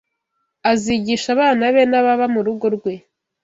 azigisha abana be n’ababa mu rugo rwe